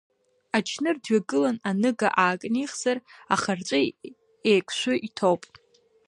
Ачныр дҩагылан, аныга аакнихзар, ахырҵәы еиқәшәы иҭоуп.